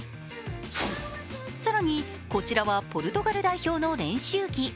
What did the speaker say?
更に、こちらはポルトガル代表の練習着。